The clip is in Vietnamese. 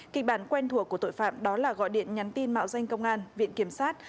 kịch bản quen thuộc của tội phạm đó là gọi điện nhắn tin mạo danh công an viện kiểm sát